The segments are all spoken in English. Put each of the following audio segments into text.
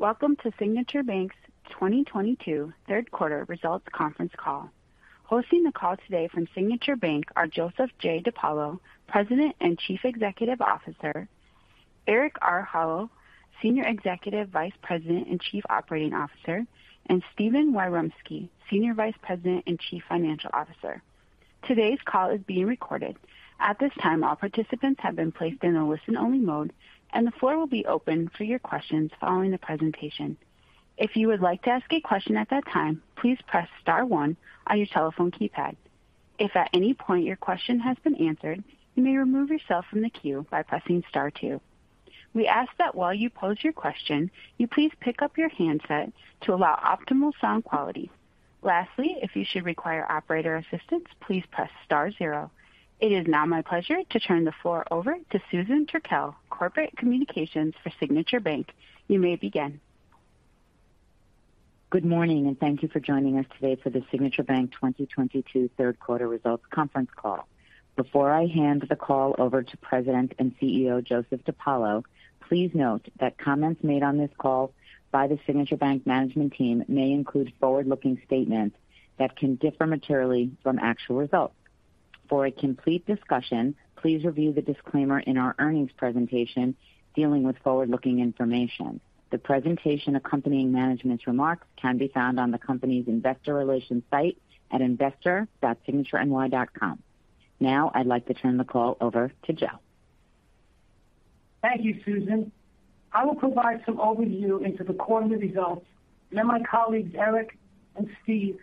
Welcome to Signature Bank's 2022 third quarter results conference call. Hosting the call today from Signature Bank are Joseph J. DePaolo, President and Chief Executive Officer, Eric R. Howell, Senior Executive Vice President and Chief Operating Officer, and Stephen Wyremski, Senior Vice President and Chief Financial Officer. Today's call is being recorded. At this time, all participants have been placed in a listen-only mode, and the floor will be open for your questions following the presentation. If you would like to ask a question at that time, please press star one on your telephone keypad. If at any point your question has been answered, you may remove yourself from the queue by pressing star two. We ask that while you pose your question, you please pick up your handset to allow optimal sound quality. Lastly, if you should require operator assistance, please press star zero. It is now my pleasure to turn the floor over to Susan Turkell Lewis, Corporate Communications for Signature Bank. You may begin. Good morning, and thank you for joining us today for the Signature Bank 2022 third quarter results conference call. Before I hand the call over to President and CEO Joseph J. DePaolo, please note that comments made on this call by the Signature Bank management team may include forward-looking statements that can differ materially from actual results. For a complete discussion, please review the disclaimer in our earnings presentation dealing with forward-looking information. The presentation accompanying management's remarks can be found on the company's investor relations site at investor.signatureny.com. Now, I'd like to turn the call over to Joe. Thank you, Susan. I will provide some overview into the quarterly results, and then my colleagues, Eric and Steve,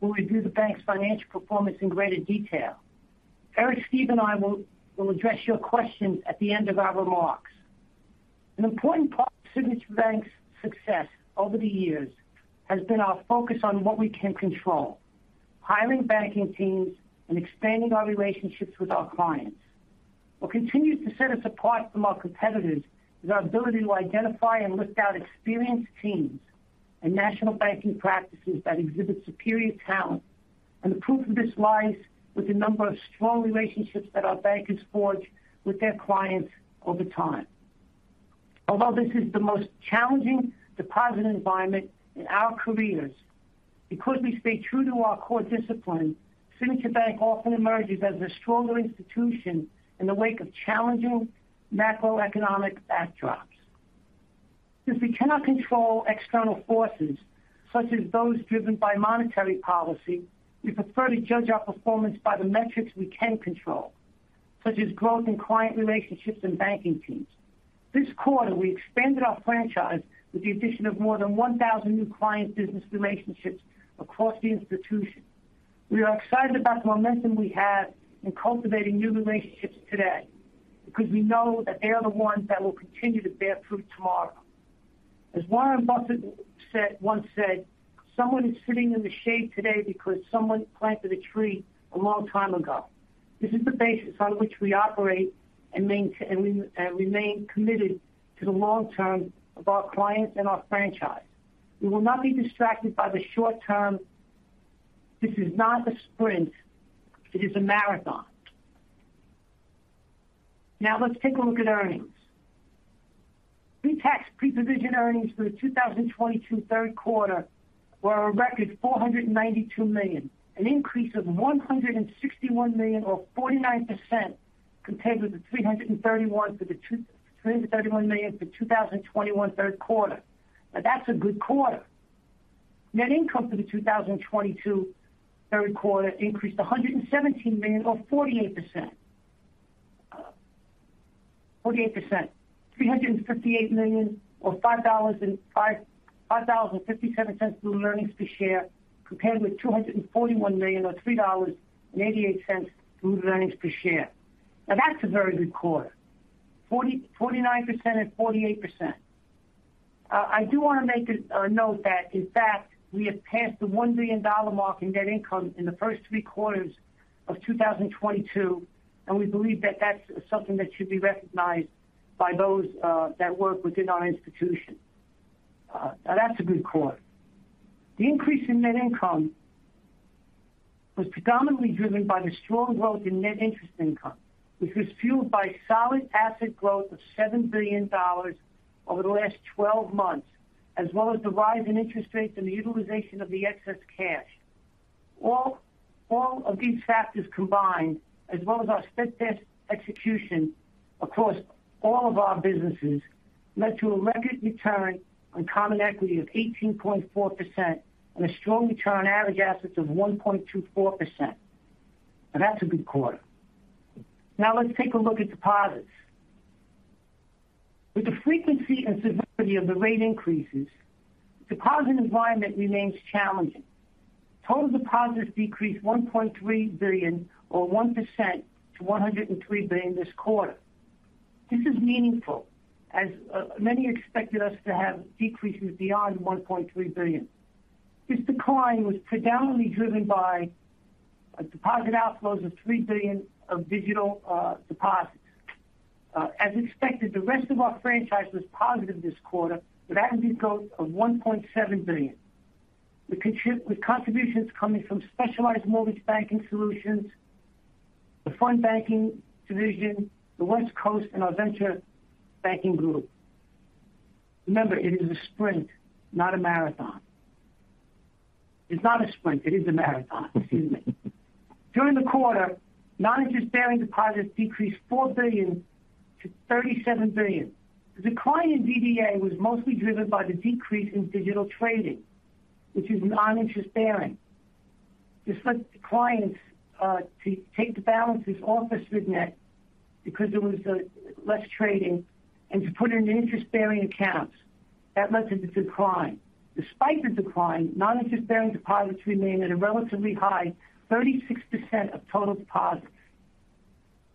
will review the bank's financial performance in greater detail. Eric, Steve, and I will address your questions at the end of our remarks. An important part of Signature Bank's success over the years has been our focus on what we can control, hiring banking teams and expanding our relationships with our clients. What continues to set us apart from our competitors is our ability to identify and list out experienced teams and national banking practices that exhibit superior talent. The proof of this lies with the number of strong relationships that our bankers forge with their clients over time. Although this is the most challenging deposit environment in our careers, because we stay true to our core discipline, Signature Bank often emerges as a stronger institution in the wake of challenging macroeconomic backdrops. Since we cannot control external forces such as those driven by monetary policy, we prefer to judge our performance by the metrics we can control, such as growth in client relationships and banking teams. This quarter, we expanded our franchise with the addition of more than 1,000 new client business relationships across the institution. We are excited about the momentum we have in cultivating new relationships today because we know that they are the ones that will continue to bear fruit tomorrow. As Warren Buffett once said, "Someone is sitting in the shade today because someone planted a tree a long time ago." This is the basis on which we operate and remain committed to the long term of our clients and our franchise. We will not be distracted by the short term. This is not a sprint, it is a marathon. Now let's take a look at earnings. Pre-tax, pre-provision earnings for the 2022 third quarter were a record $492 million, an increase of $161 million or 49% compared with the $331 million for the 2021 third quarter. Now that's a good quarter. Net income for the 2022 third quarter increased $117 million or 48%. $358 million or $5.05 to earnings per share, compared with $241 million or $3.88 to earnings per share. Now that's a very good quarter. 49% and 48%. I do want to make a note that in fact, we have passed the $1 billion mark in net income in the first three quarters of 2022, and we believe that that's something that should be recognized by those that work within our institution. Now that's a good quarter. The increase in net income was predominantly driven by the strong growth in net interest income, which was fueled by solid asset growth of $7 billion over the last 12 months, as well as the rise in interest rates and the utilization of the excess cash. All of these factors combined, as well as our steadfast execution across all of our businesses, led to a record return on common equity of 18.4% and a strong return on average assets of 1.24%. Now that's a good quarter. Now let's take a look at deposits. With the frequency and severity of the rate increases, deposit environment remains challenging. Total deposits decreased $1.3 billion or 1% to $103 billion this quarter. This is meaningful, as many expected us to have decreases beyond $1.3 billion. This decline was predominantly driven by a deposit outflows of $3 billion of digital deposits. As expected, the rest of our franchise was positive this quarter, with net inflows of $1.7 billion. With contributions coming from specialized mortgage banking solutions, the fund banking division, the West Coast, and our venture banking group. Remember, it is a marathon. Excuse me. During the quarter, non-interest-bearing deposits decreased $4 billion to 37 million. The decline in DDA was mostly driven by the decrease in digital trading, which is non-interest-bearing. This lets clients to take the balances off of Signet because there was less trading and to put it in interest-bearing accounts. That led to the decline. Despite the decline, non-interest-bearing deposits remain at a relatively high 36% of total deposits.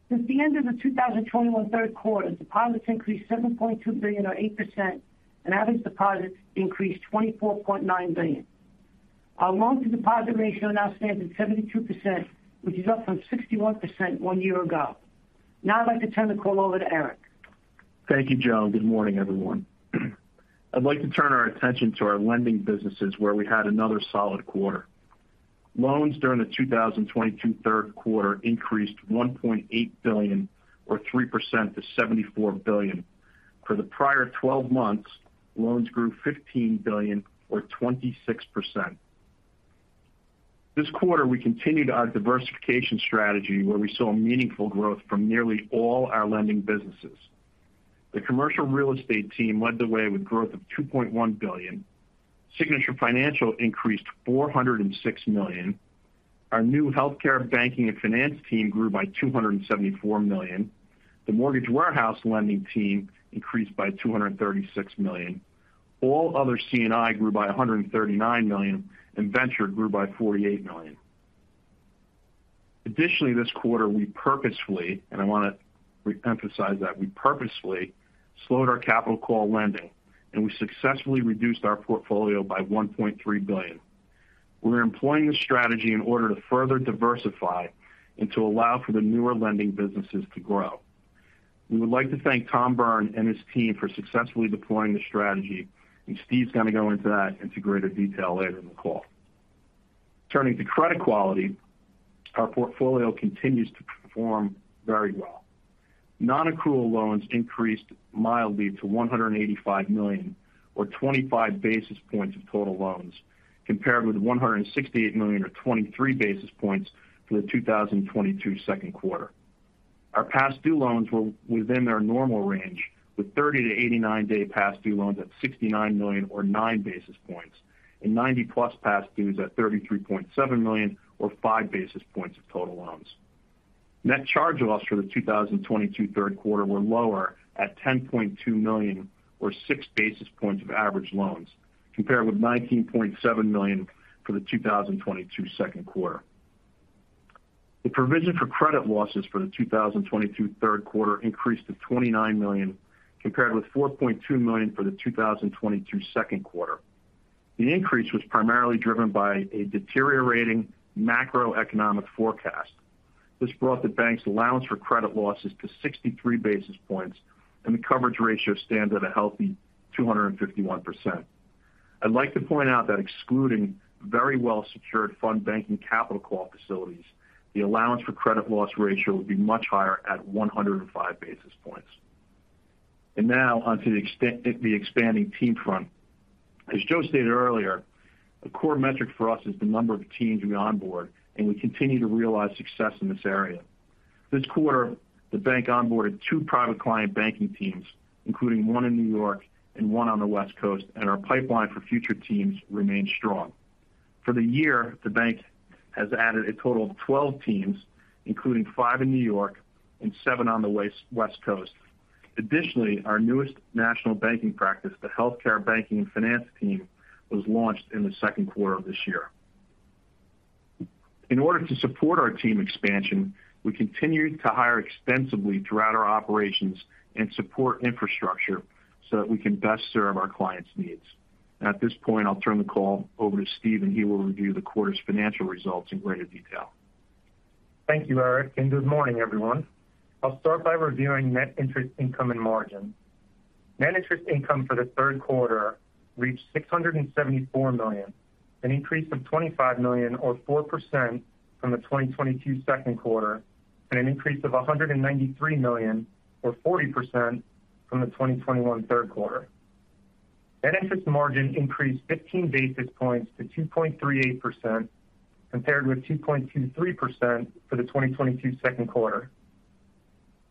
Since the end of the 2021 third quarter, deposits increased $7.2 billion or 8%, and average deposits increased $24.9 billion. Our loan to deposit ratio now stands at 72%, which is up from 61% one year ago. Now I'd like to turn the call over to Eric. Thank you, Joe. Good morning, everyone. I'd like to turn our attention to our lending businesses, where we had another solid quarter. Loans during the 2022 third quarter increased $1.8 billion or 3% to $74 billion. For the prior twelve months, loans grew $15 billion or 26%. This quarter, we continued our diversification strategy, where we saw meaningful growth from nearly all our lending businesses. The commercial real estate team led the way with growth of $2.1 billion. Signature Financial increased $406 million. Our new healthcare banking and finance team grew by $274 million. The mortgage warehouse lending team increased by $236 million. All other C&I grew by $139 million, and venture grew by $48 million. Additionally, this quarter, we purposefully, and I want to re-emphasize that, we purposefully slowed our capital call lending, and we successfully reduced our portfolio by $1.3 billion. We're employing this strategy in order to further diversify and to allow for the newer lending businesses to grow. We would like to thank Tom Byrne and his team for successfully deploying the strategy, and Steve's going to go into that greater detail later in the call. Turning to credit quality, our portfolio continues to perform very well. Non-accrual loans increased mildly to $185 million or 25 basis points of total loans, compared with $168 million or 23 basis points for the 2022 second quarter. Our past due loans were within their normal range, with 30-89 day past due loans at $69 million or 9 basis points, and 90+ past dues at $33.7 million or 5 basis points of total loans. Net charge-offs for the 2022 third quarter were lower at $10.2 million or 6 basis points of average loans, compared with $19.7 million for the 2022 second quarter. The provision for credit losses for the 2022 third quarter increased to $29 million, compared with $4.2 million for the 2022 second quarter. The increase was primarily driven by a deteriorating macroeconomic forecast. This brought the bank's allowance for credit losses to 63 basis points, and the coverage ratio stands at a healthy 251%. I'd like to point out that excluding very well-secured fund banking capital call facilities, the allowance for credit loss ratio would be much higher at 105 basis points. Now on to the expanding team front. As Joe stated earlier, a core metric for us is the number of teams we onboard, and we continue to realize success in this area. This quarter, the bank onboarded two private client banking teams, including one in New York and one on the West Coast, and our pipeline for future teams remains strong. For the year, the bank has added a total of 12 teams, including five in New York and seven on the West Coast. Additionally, our newest national banking practice, the Healthcare Banking and Finance Team, was launched in the second quarter of this year. In order to support our team expansion, we continue to hire extensively throughout our operations and support infrastructure so that we can best serve our clients' needs. At this point, I'll turn the call over to Steve, and he will review the quarter's financial results in greater detail. Thank you, Eric, and good morning, everyone. I'll start by reviewing net interest income and margin. Net interest income for the third quarter reached $674 million, an increase of $25 million or 4% from the 2022 second quarter and an increase of $193 million or 40% from the 2021 third quarter. Net interest margin increased 15 basis points to 2.38% compared with 2.23% for the 2022 second quarter.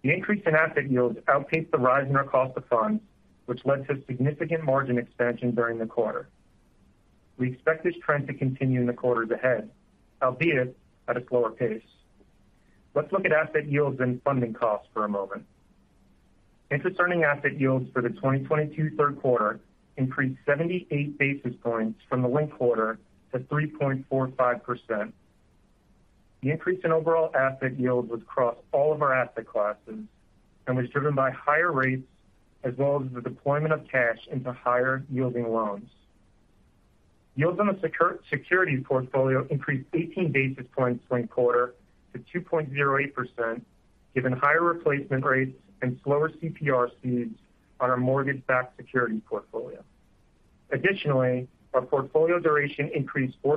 The increase in asset yields outpaced the rise in our cost of funds, which led to significant margin expansion during the quarter. We expect this trend to continue in the quarters ahead, albeit at a slower pace. Let's look at asset yields and funding costs for a moment. Interest earning asset yields for the 2022 third quarter increased 78 basis points from the linked quarter to 3.45%. The increase in overall asset yields was across all of our asset classes and was driven by higher rates as well as the deployment of cash into higher yielding loans. Yields on the securities portfolio increased 18 basis points linked quarter to 2.08%, given higher replacement rates and slower CPR speeds on our mortgage-backed security portfolio. Additionally, our portfolio duration increased to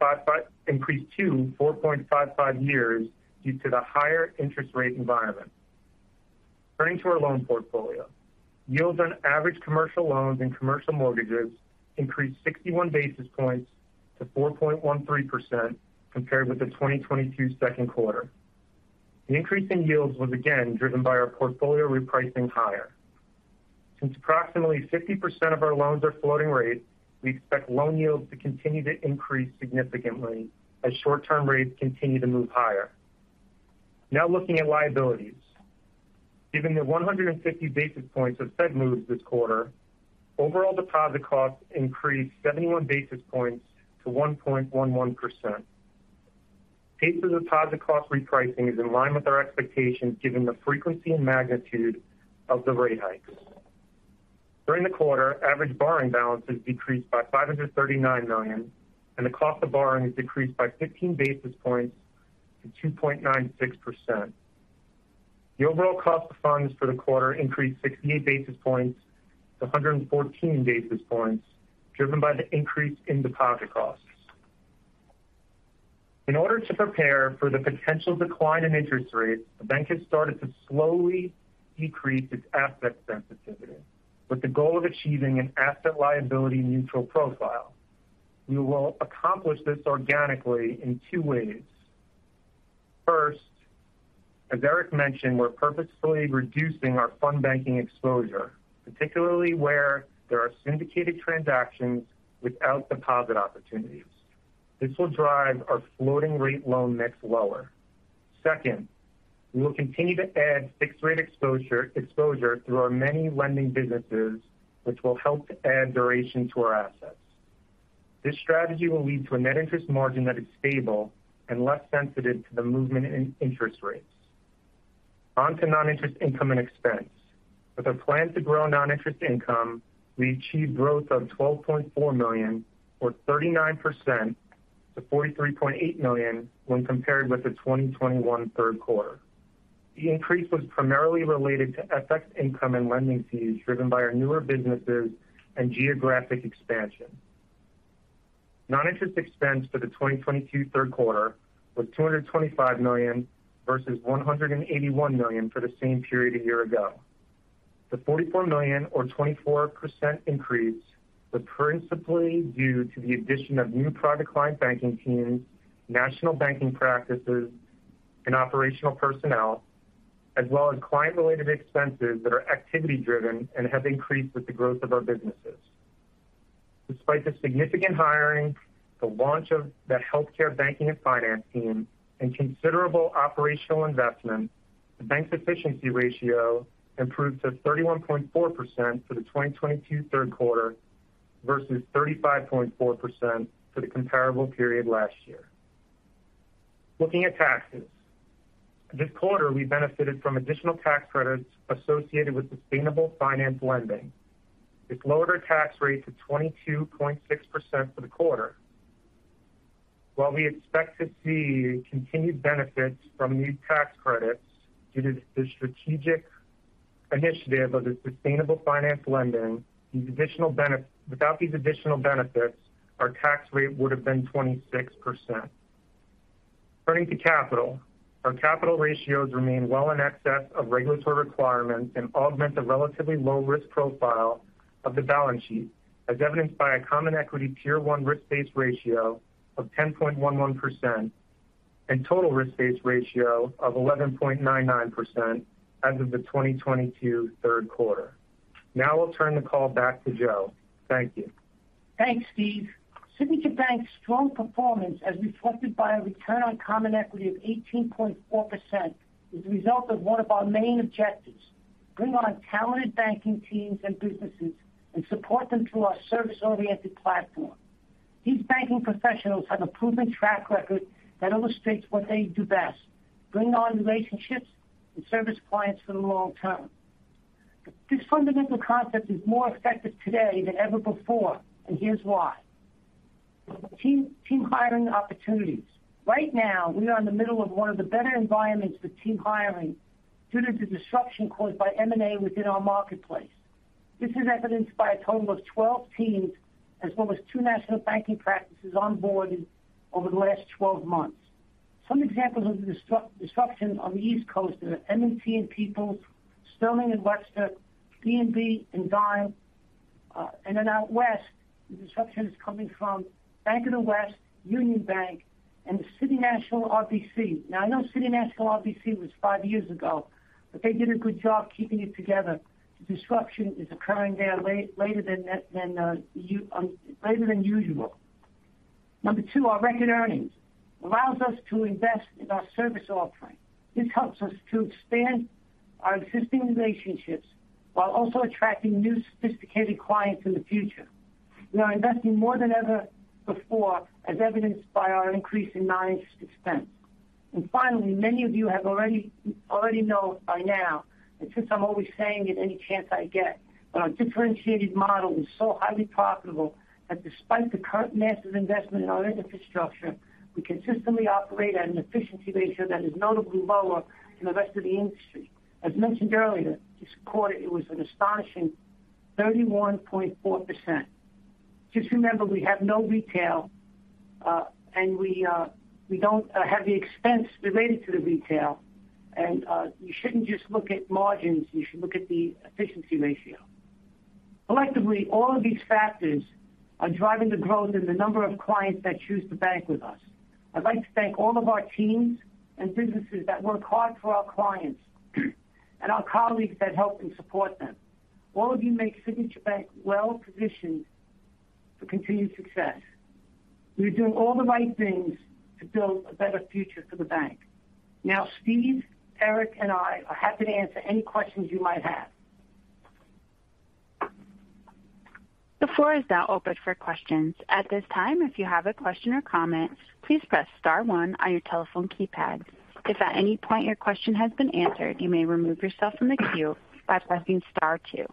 4.55 years due to the higher interest rate environment. Turning to our loan portfolio. Yields on average commercial loans and commercial mortgages increased 61 basis points to 4.13% compared with the 2022 second quarter. The increase in yields was again driven by our portfolio repricing higher. Since approximately 50% of our loans are floating rate, we expect loan yields to continue to increase significantly as short term rates continue to move higher. Now looking at liabilities. Given the 150 basis points of Fed moves this quarter, overall deposit costs increased 71 basis points to 1.11%. Pace of deposit cost repricing is in line with our expectations given the frequency and magnitude of the rate hikes. During the quarter, average borrowing balances decreased by $539 million, and the cost of borrowing has decreased by 15 basis points to 2.96%. The overall cost of funds for the quarter increased 68 basis points to 114 basis points, driven by the increase in deposit costs. In order to prepare for the potential decline in interest rates, the bank has started to slowly decrease its asset sensitivity with the goal of achieving an asset liability neutral profile. We will accomplish this organically in two ways. First, as Eric mentioned, we're purposefully reducing our fund banking exposure, particularly where there are syndicated transactions without deposit opportunities. This will drive our floating rate loan mix lower. Second, we will continue to add fixed rate exposure through our many lending businesses, which will help to add duration to our assets. This strategy will lead to a net interest margin that is stable and less sensitive to the movement in interest rates. On to non-interest income and expense. With our plan to grow non-interest income, we achieved growth of $12.4 million, or 39% to $43.8 million when compared with the 2021 third quarter. The increase was primarily related to FX income and lending fees driven by our newer businesses and geographic expansion. Non-interest expense for the 2022 third quarter was $225 million versus $181 million for the same period a year ago. The $44 million or 24% increase was principally due to the addition of new private client banking teams, national banking practices and operational personnel, as well as client related expenses that are activity driven and have increased with the growth of our businesses. Despite the significant hiring, the launch of the healthcare banking and finance team and considerable operational investment, the bank's efficiency ratio improved to 31.4% for the 2022 third quarter versus 35.4% for the comparable period last year. Looking at taxes. This quarter we benefited from additional tax credits associated with sustainable finance lending. This lowered our tax rate to 22.6% for the quarter. While we expect to see continued benefits from these tax credits due to the strategic initiative of the sustainable finance lending, these additional benefits, without these additional benefits, our tax rate would have been 26%. Turning to capital. Our capital ratios remain well in excess of regulatory requirements and augment the relatively low risk profile of the balance sheet, as evidenced by a common equity tier one risk-based ratio of 10.11% and total risk-based ratio of 11.99% as of the 2022 third quarter. Now I'll turn the call back to Joe. Thank you. Thanks, Stephen. Signature Bank's strong performance, as reflected by a return on common equity of 18.4%, is the result of one of our main objectives, bring on talented banking teams and businesses and support them through our service oriented platform. These banking professionals have a proven track record that illustrates what they do best, bring on relationships and service clients for the long term. This fundamental concept is more effective today than ever before, and here's why. Team hiring opportunities. Right now we are in the middle of one of the better environments for team hiring due to the disruption caused by M&A within our marketplace. This is evidenced by a total of 12 teams as well as two national banking practices onboarded over the last 12 months. Some examples of the disruption on the East Coast are M&T and People's, Sterling and Webster, NYCB and Dime. Out west, the disruption is coming from Bank of the West, Union Bank and City National RBC. Now, I know City National RBC was five years ago, but they did a good job keeping it together. The disruption is occurring there later than usual. Number two, our record earnings allows us to invest in our service offering. This helps us to expand our existing relationships while also attracting new sophisticated clients in the future. We are investing more than ever before, as evidenced by our increase in non-interest expense. Finally, many of you have already know by now, and since I'm always saying it any chance I get, but our differentiated model is so highly profitable. That despite the current massive investment in our infrastructure, we consistently operate at an efficiency ratio that is notably lower than the rest of the industry. As mentioned earlier, this quarter, it was an astonishing 31.4%. Just remember, we have no retail, and we don't have the expense related to the retail. You shouldn't just look at margins, you should look at the efficiency ratio. Collectively, all of these factors are driving the growth in the number of clients that choose to bank with us. I'd like to thank all of our teams and businesses that work hard for our clients and our colleagues that help and support them. All of you make Signature Bank well-positioned for continued success. We're doing all the right things to build a better future for the bank. Now, Steve, Eric, and I are happy to answer any questions you might have. The floor is now open for questions. At this time, if you have a question or comment, please press star one on your telephone keypad. If at any point your question has been answered, you may remove yourself from the queue by pressing star two.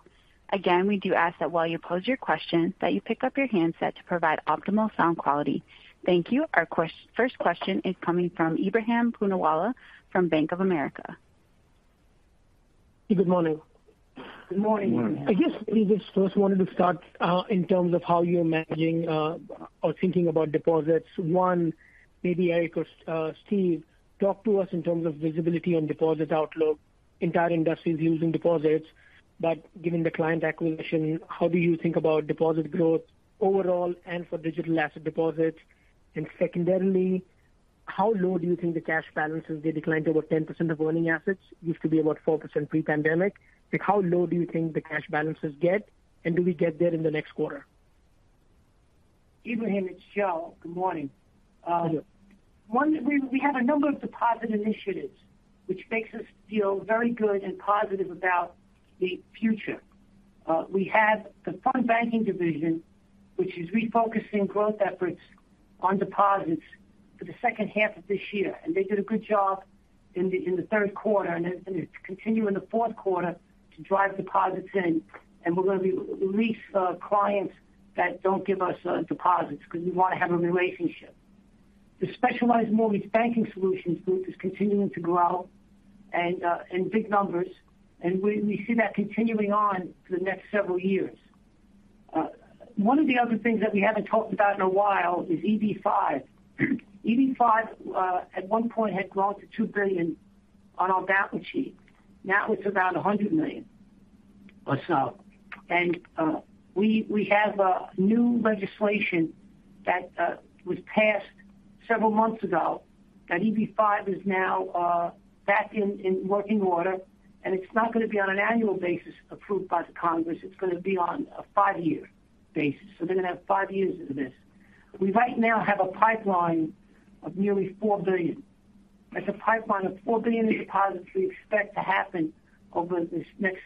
Again, we do ask that while you pose your question, that you pick up your handset to provide optimal sound quality. Thank you. Our first question is coming from Ebrahim Poonawala from Bank of America. Good morning. Good morning. I guess maybe just first wanted to start in terms of how you're managing or thinking about deposits. One, maybe Eric or Steve, talk to us in terms of visibility on deposit outlook. Entire industry is losing deposits, but given the client acquisition, how do you think about deposit growth overall and for digital asset deposits? Secondarily, how low do you think the cash balances get? They declined to about 10% of earning assets, used to be about 4% pre-pandemic. Like, how low do you think the cash balances get, and do we get there in the next quarter? Ebrahim, it's Joseph. Good morning. Thank you. We have a number of deposit initiatives which makes us feel very good and positive about the future. We have the fund banking division, which is refocusing growth efforts on deposits for the second half of this year. They did a good job in the third quarter and it's continuing in the fourth quarter to drive deposits in. We're going to release clients that don't give us deposits because we want to have a relationship. The specialized mortgage banking solutions group is continuing to grow and in big numbers. We see that continuing on for the next several years. One of the other things that we haven't talked about in a while is EB-5. EB-5 at one point had grown to $2 billion on our balance sheet. Now it's around $100 million or so. We have a new legislation that was passed several months ago that EB-5 is now back in working order. It's not going to be on an annual basis approved by the Congress. It's going to be on a five-year basis. They're going to have five years of this. We right now have a pipeline of nearly $4 billion. That's a pipeline of $4 billion in deposits we expect to happen over this next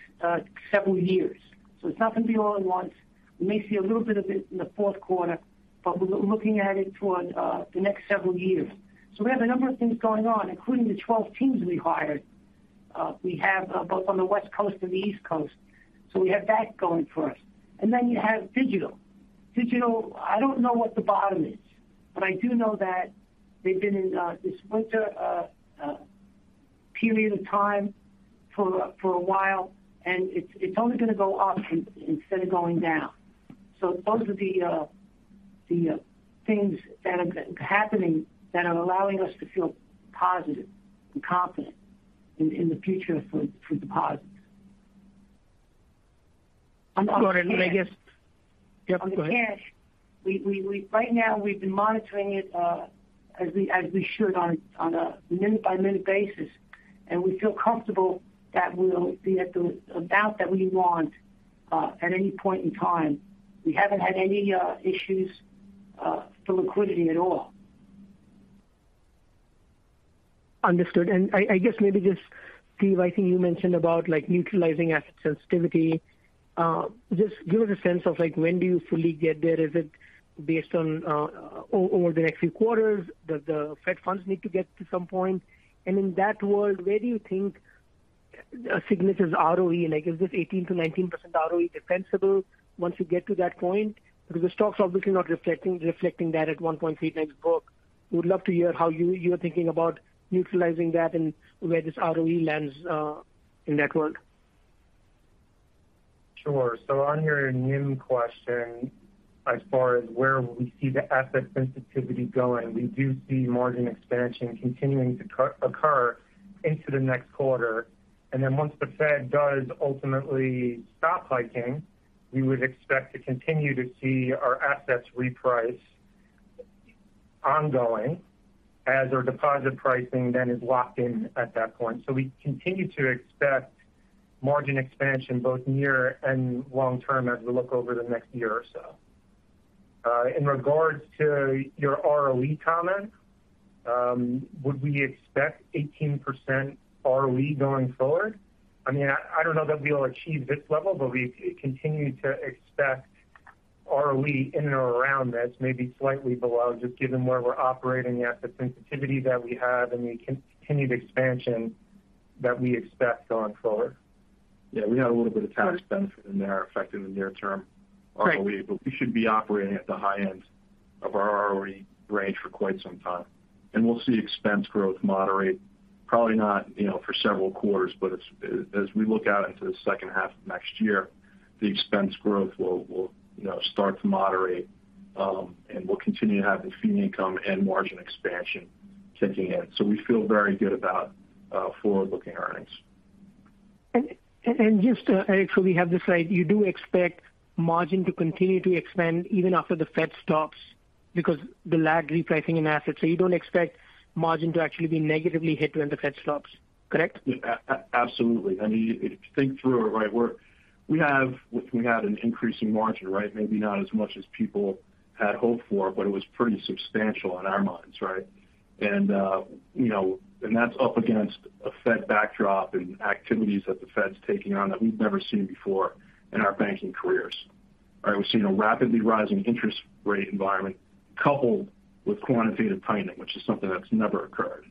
several years. It's not going to be all at once. We may see a little bit of it in the fourth quarter, but we're looking at it toward the next several years. We have a number of things going on, including the 12 teams we hired, we have both on the West Coast and the East Coast. We have that going for us. Then you have digital. Digital, I don't know what the bottom is, but I do know that they've been in this winter period of time for a while, and it's only going to go up instead of going down. Those are the things that are happening that are allowing us to feel positive and confident in the future for deposits. I guess. On the cash. Yep, go ahead. On the cash, right now we've been monitoring it as we should on a minute-by-minute basis. We feel comfortable that we'll be at the amount that we want at any point in time. We haven't had any issues for liquidity at all. Understood. I guess maybe just Steve, I think you mentioned about like neutralizing asset sensitivity. Just give us a sense of like when do you fully get there? Is it based on over the next few quarters? Does the Fed funds need to get to some point? In that world, where do you think Signature's ROE, like is this 18%-19% ROE defensible once you get to that point? Because the stock's obviously not reflecting that at 1.3 times book. Would love to hear how you're thinking about neutralizing that and where this ROE lands in that world. Sure. On your NIM question, as far as where we see the asset sensitivity going, we do see margin expansion continuing to occur into the next quarter. Then once the Fed does ultimately stop hiking, we would expect to continue to see our assets reprice ongoing as our deposit pricing then is locked in at that point. We continue to expect margin expansion both near and long term as we look over the next year or so. In regards to your ROE comment, would we expect 18% ROE going forward? I mean, I don't know that we will achieve this level, but we continue to expect ROE in and around this, maybe slightly below, just given where we're operating, the asset sensitivity that we have and the continued expansion that we expect going forward. Yeah, we had a little bit of tax benefit in there affecting the near term. Great. I believe we should be operating at the high end of our ROE range for quite some time. We'll see expense growth moderate, probably not, you know, for several quarters. As we look out into the second half of next year, the expense growth will, you know, start to moderate. We'll continue to have the fee income and margin expansion kicking in. We feel very good about forward-looking earnings. Just, Eric, so we have this right. You do expect margin to continue to expand even after the Fed stops because the lag repricing in assets. You don't expect margin to actually be negatively hit when the Fed stops. Correct? Absolutely. I mean, if you think through it, right, we had an increasing margin, right? Maybe not as much as people had hoped for, but it was pretty substantial in our minds, right? You know, that's up against a Fed backdrop and activities that the Fed's taking on that we've never seen before in our banking careers. All right. We've seen a rapidly rising interest rate environment coupled with quantitative tightening, which is something that's never occurred.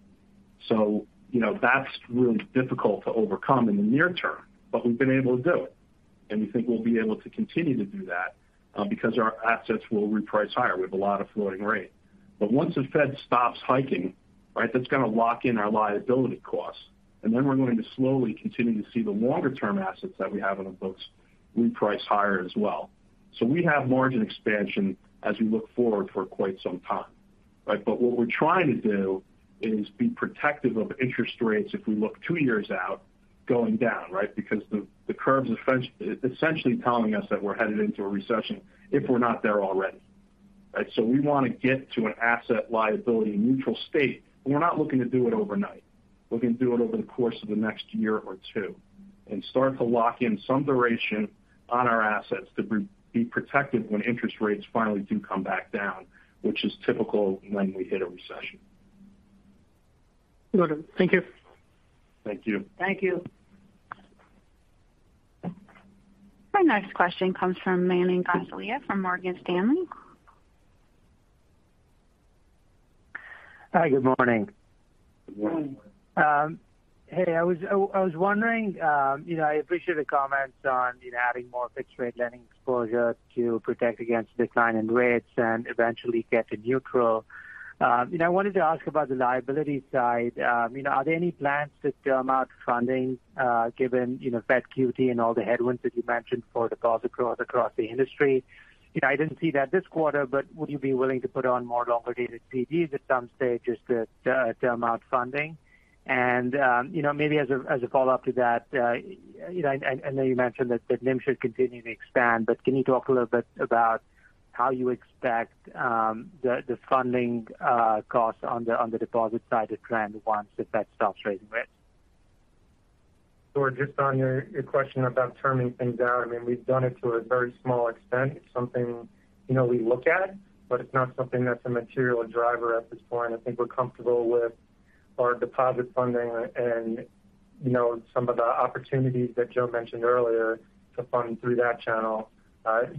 You know, that's really difficult to overcome in the near term, but we've been able to do it. We think we'll be able to continue to do that, because our assets will reprice higher. We have a lot of floating rate. Once the Fed stops hiking, right, that's going to lock in our liability costs. Then we're going to slowly continue to see the longer-term assets that we have on the books reprice higher as well. We have margin expansion as we look forward for quite some time, right? What we're trying to do is be protective of interest rates if we look two years out going down, right? The curves are essentially telling us that we're headed into a recession if we're not there already, right? We want to get to an asset liability neutral state, but we're not looking to do it overnight. We're going to do it over the course of the next year or two and start to lock in some duration on our assets to be protected when interest rates finally do come back down, which is typical when we hit a recession. Got it. Thank you. Thank you. Thank you. Our next question comes from Manan Gosalia from Morgan Stanley. Hi, good morning. Good morning. Hey, I was wondering, you know, I appreciate the comments on, you know, adding more fixed-rate lending exposure to protect against decline in rates and eventually get to neutral. You know, I wanted to ask about the liability side. You know, are there any plans to term out funding, given, you know, Fed QT and all the headwinds that you mentioned for deposit growth across the industry? You know, I didn't see that this quarter, but would you be willing to put on more longer-dated CDs at some stage just to term out funding? You know, maybe as a follow-up to that, you know, I know you mentioned that the NIM should continue to expand, but can you talk a little bit about how you expect the funding costs on the deposit side to trend once the Fed stops raising rates? Just on your question about terming things out. I mean, we've done it to a very small extent. It's something, you know, we look at, but it's not something that's a material driver at this point. I think we're comfortable with our deposit funding and, you know, some of the opportunities that Joe mentioned earlier to fund through that channel.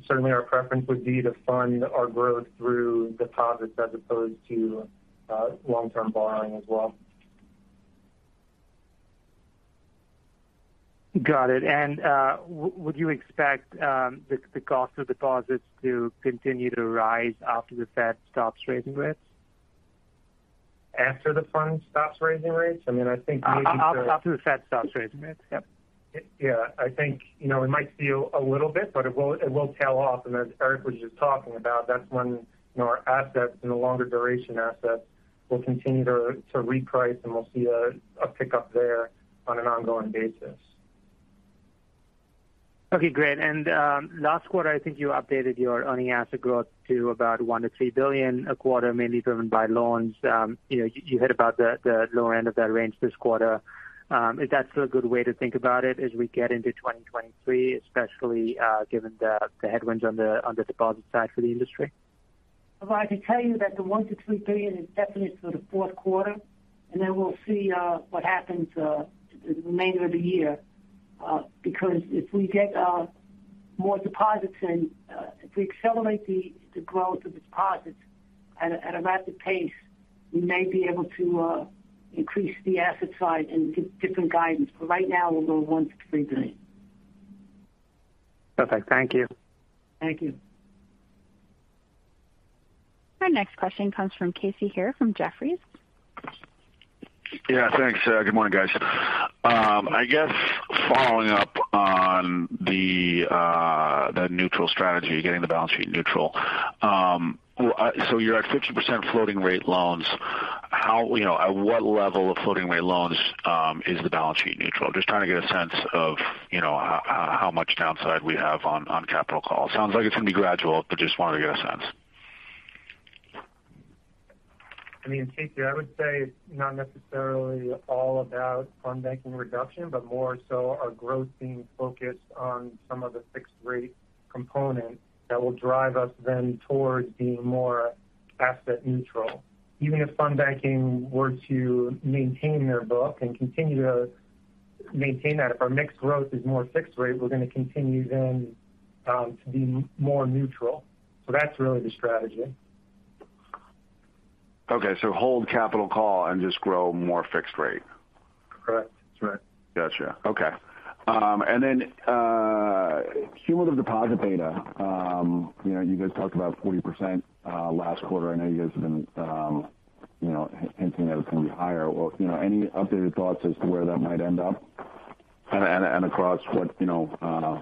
Certainly our preference would be to fund our growth through deposits as opposed to long-term borrowing as well. Got it. Would you expect the cost of deposits to continue to rise after the Fed stops raising rates? After the Fed stops raising rates? I mean, I think. After the Fed stops raising rates. Yep. Yeah. I think, you know, we might see a little bit, but it will tail off. As Eric was just talking about, that's when, you know, our assets and the longer duration assets will continue to reprice, and we'll see a pickup there on an ongoing basis. Okay, great. Last quarter, I think you updated your earning asset growth to about $1-3 billion a quarter, mainly driven by loans. You know, you hit about the lower end of that range this quarter. Is that still a good way to think about it as we get into 2023, especially given the headwinds on the deposit side for the industry? Well, I can tell you that the $1-3 billion is definitely for the fourth quarter, and then we'll see what happens the remainder of the year. Because if we get more deposits and if we accelerate the growth of deposits at a rapid pace, we may be able to increase the asset side and give different guidance. Right now, we'll go $1-3 billion. Perfect. Thank you. Thank you. Our next question comes from Casey Haire from Jefferies. Yeah, thanks. Good morning, guys. I guess following up on the neutral strategy, getting the balance sheet neutral. So you're at 50% floating rate loans. How, you know, at what level of floating rate loans is the balance sheet neutral? Just trying to get a sense of, you know, how much downside we have on capital calls. Sounds like it's going to be gradual, but just wanted to get a sense. I mean, Casey, I would say it's not necessarily all about fund banking reduction, but more so our growth being focused on some of the fixed rate component that will drive us then towards being more asset neutral. Even if fund banking were to maintain their book and continue to maintain that, if our mixed growth is more fixed rate, we're going to continue then to be more neutral. That's really the strategy. Okay. Hold capital call and just grow more fixed rate? Correct. That's right. Got you. Okay. cumulative deposit data. you know, you guys talked about 40%, last quarter. I know you guys have been, you know, hinting that it's going to be higher. Well, you know, any updated thoughts as to where that might end up and across what, you know,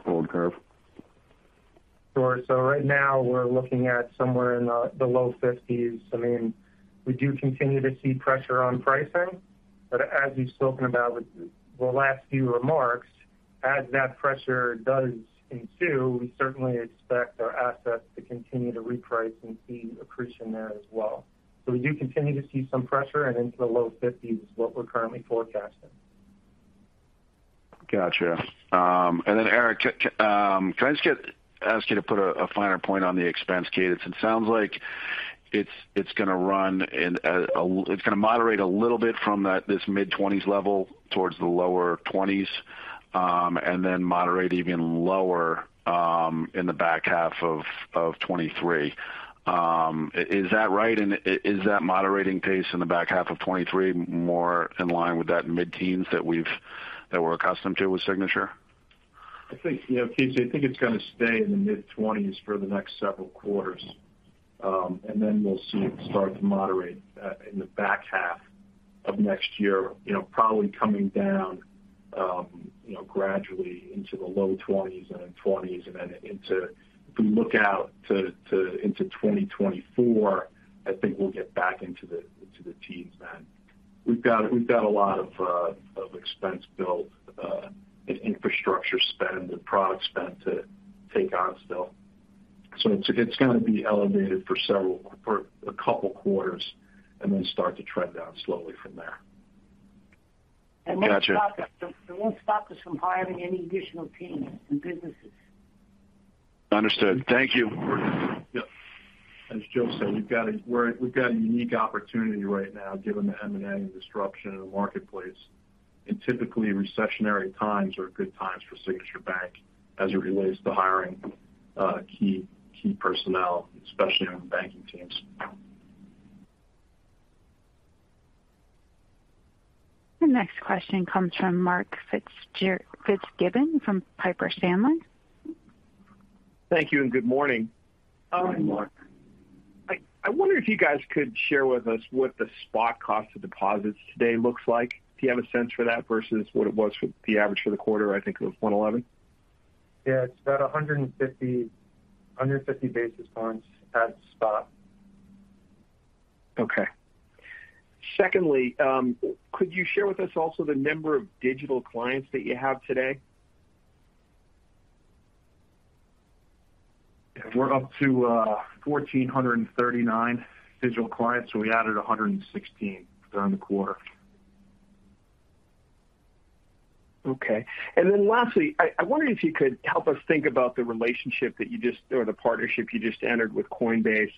forward curve? Sure. Right now we're looking at somewhere in the low 50s%. I mean, we do continue to see pressure on pricing. As we've spoken about with the last few remarks, as that pressure does ensue, we certainly expect our assets to continue to reprice and see accretion there as well. We do continue to see some pressure and into the low 50s% is what we're currently forecasting. Got you. Eric, can I just ask you to put a finer point on the expense cadence? It sounds like it's going to moderate a little bit from this mid-20s% level towards the lower 20s%, and then moderate even lower in the back half of 2023. Is that right? Is that moderating pace in the back half of 2023 more in line with that mid-teens% that we're accustomed to with Signature? I think, you know, Keith, it's going to stay in the mid-20s% for the next several quarters. We'll see it start to moderate in the back half of next year, you know, probably coming down gradually into the low 20s% and 20s% and then, if we look out into 2024, I think we'll get back into the teens% then. We've got a lot of expense build and infrastructure spend and product spend to take on still. It's going to be elevated for a couple quarters and then start to trend down slowly from there. Got you. It won't stop us from hiring any additional teams and businesses. Understood. Thank you. Yeah. As Joe said, we've got a unique opportunity right now, given the M&A disruption in the marketplace. Typically, recessionary times are good times for Signature Bank as it relates to hiring key personnel, especially on the banking teams. The next question comes from Mark Fitzgibbon from Piper Sandler. Thank you and good morning. Good morning, Mark. I wonder if you guys could share with us what the spot cost of deposits today looks like. Do you have a sense for that versus what it was for the average for the quarter? I think it was 1.11%. Yeah, it's about 150 basis points at spot. Okay. Secondly, could you share with us also the number of digital clients that you have today? Yeah. We're up to 1,439 digital clients. We added 116 during the quarter. Okay. Lastly, I wondered if you could help us think about the partnership you just entered with Coinbase,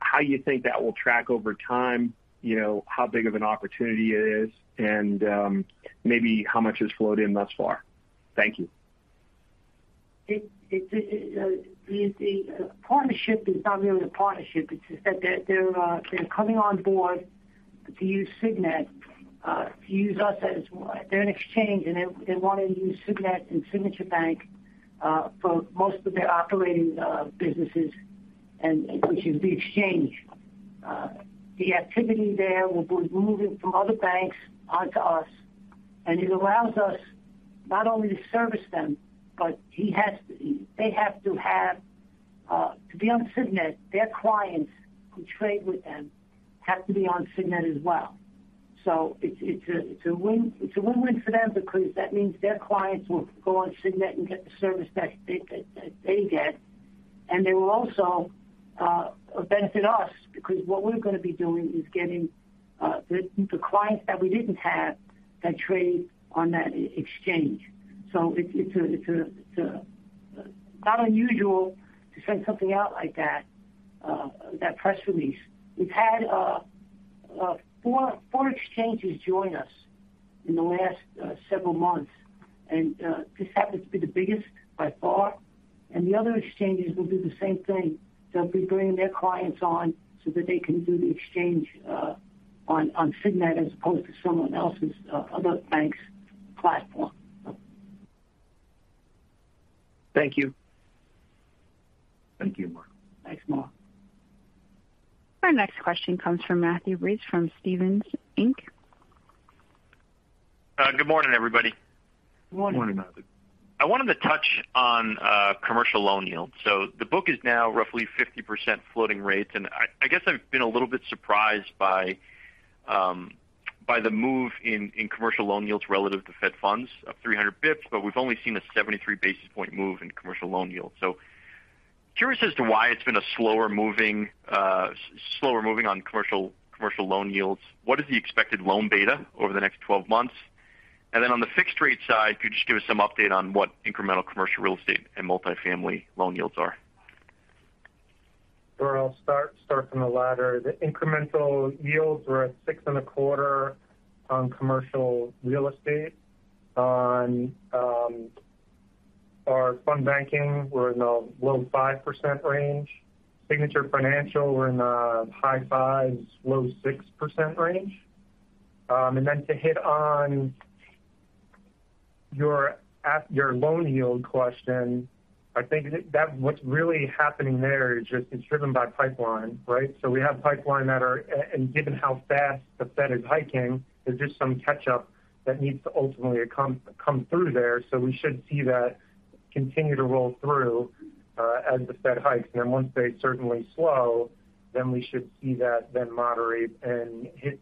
how you think that will track over time, you know, how big of an opportunity it is and, maybe how much has flowed in thus far. Thank you. It the partnership is not really a partnership. It's just that they're coming on board to use Signet to use us they're an exchange, and they're wanting to use Signet and Signature Bank for most of their operating businesses and which is the exchange. The activity there will be moving from other banks onto us, and it allows us not only to service them, but they have to be on Signet, their clients who trade with them have to be on Signet as well. It's a win-win for them because that means their clients will go on Signet and get the service that they get. They will also benefit us because what we're going to be doing is getting the clients that we didn't have that trade on that exchange. It's not unusual to send something out like that press release. We've had four exchanges join us in the last several months. This happens to be the biggest by far. The other exchanges will do the same thing. They'll be bringing their clients on so that they can do the exchange on Signet as opposed to someone else's other bank's platform. Thank you. Thank you, Mark. Thanks, Mark. Our next question comes from Matthew Breese from Stephens Inc. Good morning, everybody. Good morning. Good morning, Matthew. I wanted to touch on commercial loan yields. The book is now roughly 50% floating rates. I guess I've been a little bit surprised by the move in commercial loan yields relative to Fed funds of 300 basis points, but we've only seen a 73 basis point move in commercial loan yields. Curious as to why it's been a slower moving on commercial loan yields. What is the expected loan beta over the next 12 months? On the fixed rate side, could you just give us some update on what incremental commercial real estate and multifamily loan yields are? Sure. I'll start from the latter. The incremental yields were at 6.25% on commercial real estate. Our fund banking, we're in the low 5% range. Signature Financial, we're in the high 5-s%, low 6% range. To hit on your loan yield question. I think that what's really happening there is just it's driven by pipeline, right? We have pipeline and given how fast the Fed is hiking, there's just some catch up that needs to ultimately come through there. We should see that continue to roll through as the Fed hikes. Once they certainly slow, then we should see that then moderate and hit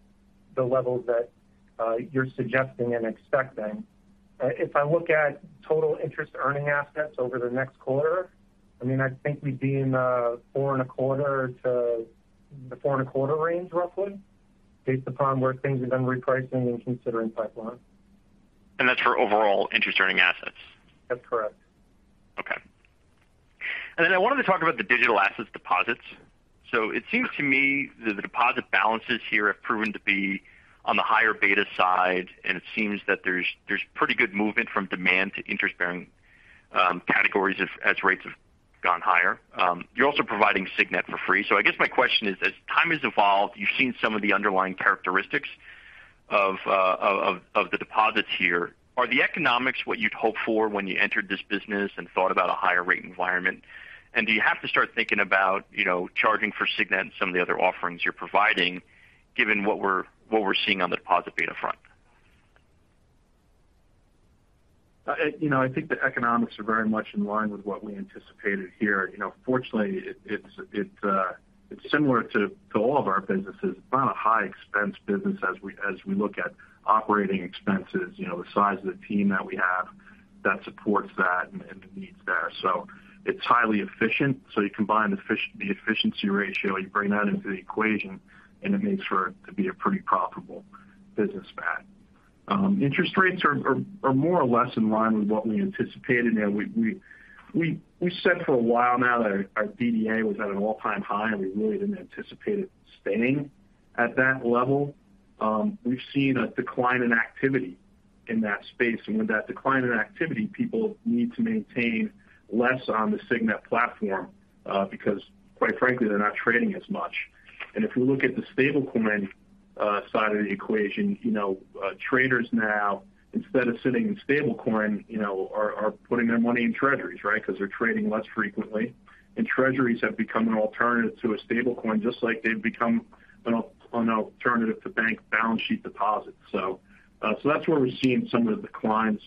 the levels that you're suggesting and expecting. If I look at total interest earning assets over the next quarter, I mean, I think we'd be in the 4.25%-4.25% range roughly, based upon where things have been repricing when considering pipeline. That's for overall interest earning assets? That's correct. Okay. I wanted to talk about the digital assets deposits. It seems to me that the deposit balances here have proven to be on the higher beta side, and it seems that there's pretty good movement from demand to interest-bearing categories as rates have gone higher. You're also providing Signet for free. My question is, as time has evolved, you've seen some of the underlying characteristics of the deposits here. Are the economics what you'd hoped for when you entered this business and thought about a higher rate environment? Do you have to start thinking about, you know, charging for Signet and some of the other offerings you're providing given what we're seeing on the deposit beta front? You know, I think the economics are very much in line with what we anticipated here. You know, fortunately, it's similar to all of our businesses. It's not a high expense business as we look at operating expenses. You know, the size of the team that we have that supports that and the needs there. It's highly efficient. You combine the efficiency ratio, you bring that into the equation, and it makes for it to be a pretty profitable business bet. Interest rates are more or less in line with what we anticipated. Now, we said for a while now that our DDA was at an all-time high, and we really didn't anticipate it staying at that level. We've seen a decline in activity in that space. With that decline in activity, people need to maintain less on the Signet platform, because quite frankly, they're not trading as much. If we look at the stablecoin side of the equation, you know, traders now, instead of sitting in stablecoin, you know, are putting their money in Treasuries, right? Because they're trading less frequently. Treasuries have become an alternative to a stablecoin, just like they've become an alternative to bank balance sheet deposits. That's where we're seeing some of the declines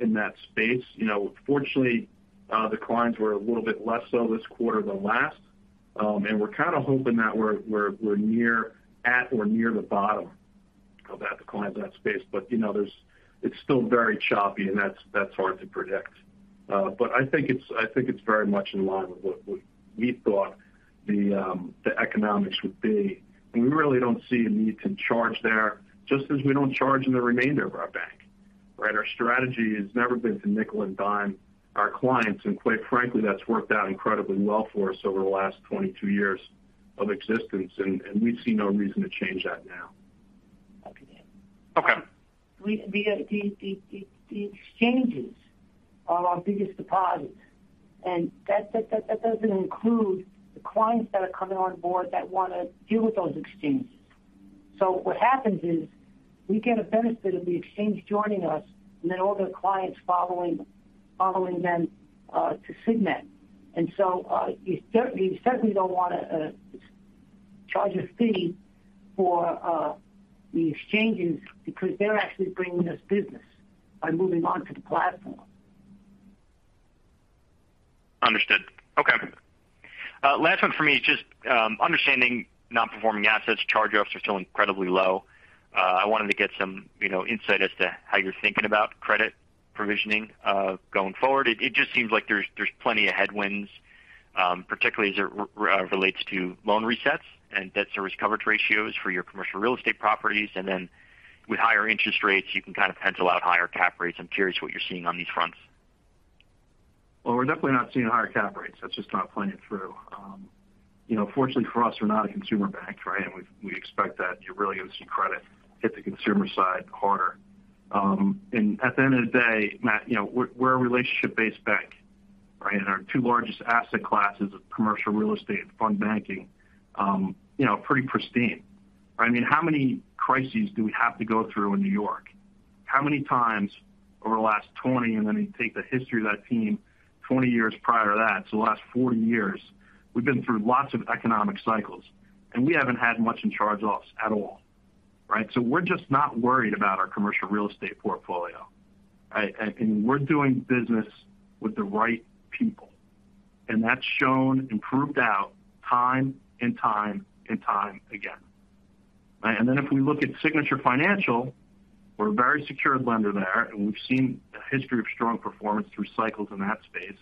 in that space. You know, fortunately, the declines were a little bit less so this quarter than last. We're kind of hoping that we're at or near the bottom of that decline in that space. You know, there's, it's still very choppy and that's hard to predict. I think it's very much in line with what we thought the economics would be. We really don't see a need to charge there just as we don't charge in the remainder of our bank, right? Our strategy has never been to nickel and dime our clients, and quite frankly, that's worked out incredibly well for us over the last 22 years of existence, and we see no reason to change that now. Okay. The exchanges are our biggest deposit, and that doesn't include the clients that are coming on board that want to deal with those exchanges. What happens is we get a benefit of the exchange joining us and then all their clients following them to Signet. You certainly don't want to charge a fee for the exchanges because they're actually bringing us business by moving on to the platform. Understood. Okay. Last one for me is just understanding non-performing assets. Charge-offs are still incredibly low. I wanted to get some, you know, insight as to how you're thinking about credit provisioning going forward. It just seems like there's plenty of headwinds, particularly as it relates to loan resets and debt service coverage ratios for your commercial real estate properties. With higher interest rates, you can kind of pencil out higher cap rates. I'm curious what you're seeing on these fronts. Well, we're definitely not seeing higher cap rates. That's just not playing it through. You know, fortunately for us, we're not a consumer bank, right? We expect that you're really going to see credit hit the consumer side harder. At the end of the day, Matt, you know, we're a relationship-based bank, right? Our two largest asset classes of commercial real estate and fund banking, you know, are pretty pristine, right? I mean, how many crises do we have to go through in New York? How many times over the last 20, and then you take the history of that time 20 years prior to that, so the last 40 years. We've been through lots of economic cycles, and we haven't had much in charge-offs at all, right? We're just not worried about our commercial real estate portfolio. I mean, we're doing business with the right people, and that's shown and proved out time and time again, right? If we look at Signature Financial, we're a very secured lender there, and we've seen a history of strong performance through cycles in that space.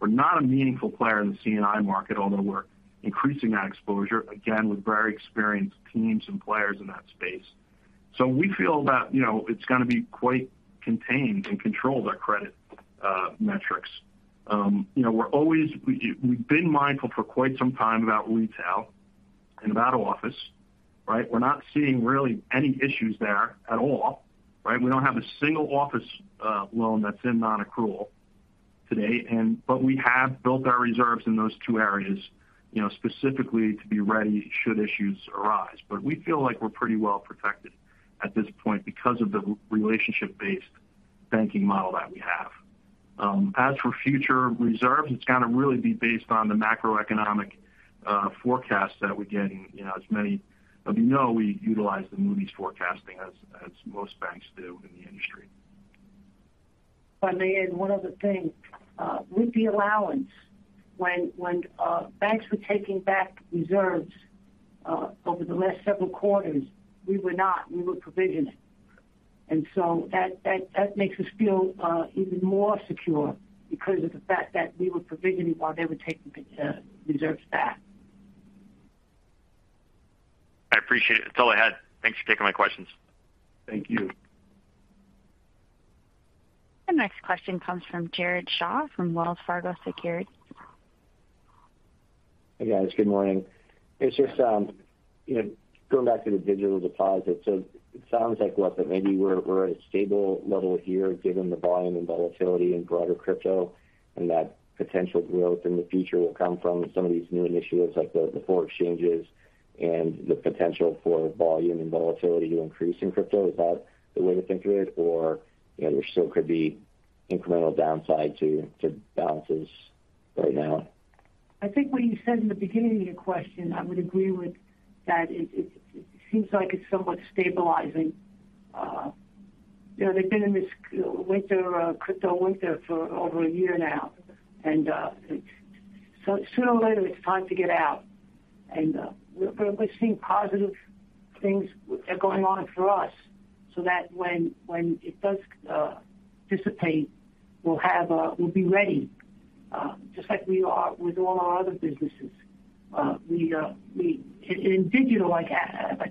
We're not a meaningful player in the C&I market, although we're increasing that exposure, again with very experienced teams and players in that space. We feel that, you know, it's going to be quite contained and controlled, their credit metrics. You know, we've been mindful for quite some time about retail in the back office, right? We're not seeing really any issues there at all, right? We don't have a single office loan that's in nonaccrual today, but we have built our reserves in those two areas, you know, specifically to be ready should issues arise. We feel like we're pretty well protected at this point because of the relationship based banking model that we have. As for future reserves, it's gonna really be based on the macroeconomic forecast that we're getting. You know, as many of you know, we utilize Moody's forecasting as most banks do in the industry. If I may add one other thing. With the allowance, when banks were taking back reserves over the last several quarters, we were not. We were provisioning. That makes us feel even more secure because of the fact that we were provisioning while they were taking reserves back. I appreciate it. That's all I had. Thanks for taking my questions. Thank you. The next question comes from Jared Shaw from Wells Fargo Securities. Hey, guys. Good morning. It's just, you know, going back to the digital deposits. It sounds like what? That maybe we're at a stable level here given the volume and volatility in broader crypto, and that potential growth in the future will come from some of these new initiatives like the four exchanges and the potential for volume and volatility to increase in crypto. Is that the way to think of it? Or, you know, there still could be incremental downside to balances right now? I think what you said in the beginning of your question, I would agree with that. It seems like it's somewhat stabilizing. You know, they've been in this crypto winter for over a year now. So sooner or later it's time to get out. But we're seeing positive things that are going on for us so that when it does dissipate, we'll be ready, just like we are with all our other businesses. We in digital, like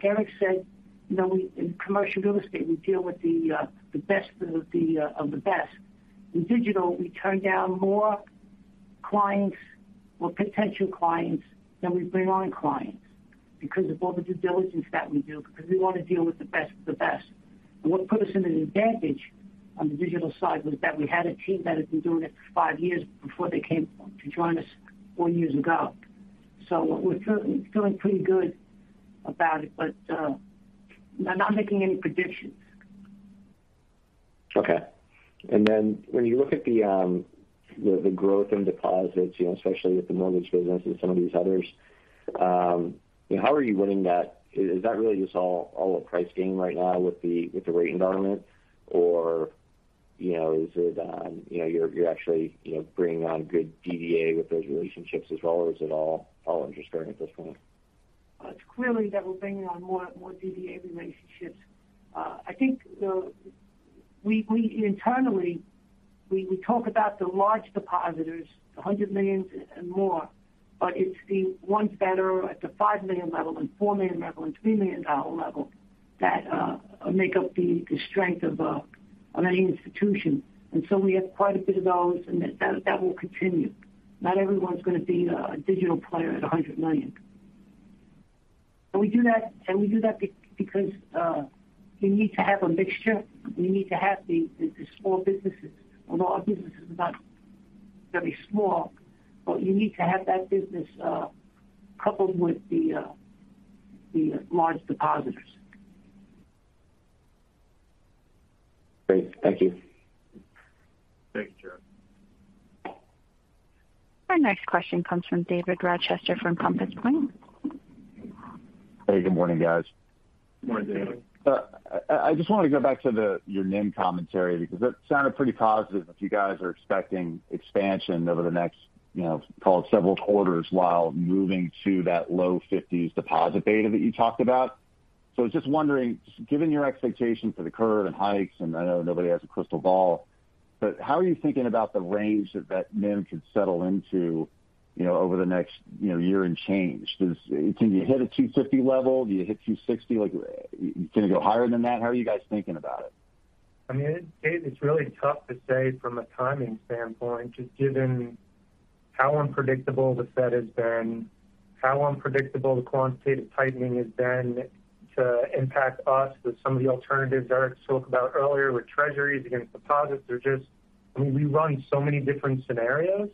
Eric said, you know, in commercial real estate, we deal with the best of the best. In digital, we turn down more clients or potential clients than we bring on clients because of all the due diligence that we do, because we want to deal with the best of the best. What put us in an advantage on the digital side was that we had a team that had been doing it for five years before they came to join us four years ago. We're feeling pretty good about it, but I'm not making any predictions. Okay. When you look at the growth in deposits, you know, especially with the mortgage business and some of these others, you know, how are you winning that? Is that really just all a price game right now with the rate environment? You know, is it you know, you're actually you know, bringing on good DDA with those relationships as well, or is it all interest earning at this point? It's clear that we're bringing on more DDA relationships. I think we internally talk about the large depositors, $100 million and more, but it's the ones that are at the $5 million level and $4 million level and $3 million level that make up the strength of any institution. We have quite a bit of those, and that will continue. Not everyone's going to be a digital player at $100 million. We do that because you need to have a mixture. You need to have the small businesses. Although our business is not very small. You need to have that business coupled with the large depositors. Great. Thank you. Thank you, Jared. Our next question comes from David Rochester from Compass Point. Hey, good morning, guys. Good morning, David. I just want to go back to your NIM commentary because that sounded pretty positive if you guys are expecting expansion over the next, you know, call it several quarters while moving to that low 50s deposit beta that you talked about. I was just wondering, given your expectations for the curve and hikes, and I know nobody has a crystal ball, but how are you thinking about the range that that NIM could settle into, you know, over the next, you know, year and change? Can you hit a 2.50% level? Do you hit 2.60%? Like, can you go higher than that? How are you guys thinking about it? I mean, Dave, it's really tough to say from a timing standpoint, just given how unpredictable the Fed has been, how unpredictable the quantitative tightening has been to impact us with some of the alternatives Eric spoke about earlier with treasuries against deposits are just, I mean, we run so many different scenarios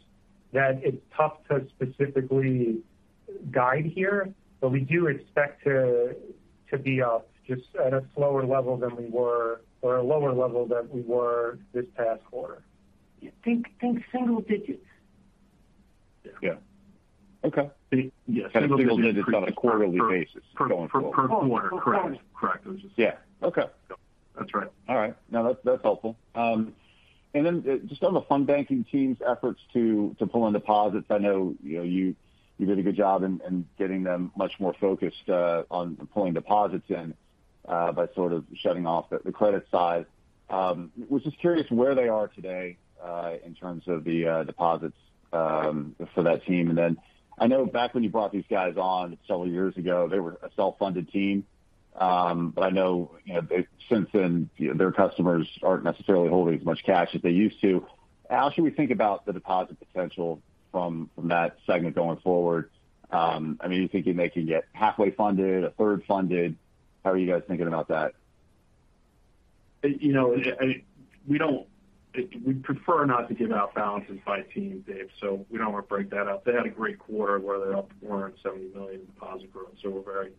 that it's tough to specifically guide here. We do expect to be up just at a slower level than we were or a lower level than we were this past quarter. Think single digits. Yeah. Okay. Yes. Single digits on a quarterly basis going forward. Per quarter. Correct. Yeah. Okay. That's right. All right. No, that's helpful. Just on the fund banking team's efforts to pull in deposits. I know, you know, you did a good job in getting them much more focused on pulling deposits in by sort of shutting off the credit side. Was just curious where they are today in terms of the deposits for that team. I know back when you brought these guys on several years ago, they were a self-funded team. I know, you know, since then, their customers aren't necessarily holding as much cash as they used to. How should we think about the deposit potential from that segment going forward? I mean, you think you're making it halfway funded, a third funded? How are you guys thinking about that? You know, I mean, we don't— We prefer not to give out balances by team, Dave, so we don't want to break that up. They had a great quarter where they're up $470 million in deposit growth. We're very